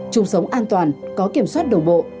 chúng sống an toàn có kiểm soát đồng bộ